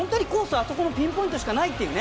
あそこのピンポイントしかないというね。